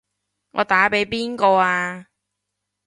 我打畀邊個啊？